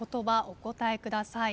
お答えください。